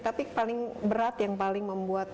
tapi paling berat yang paling membuat